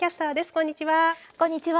こんにちは。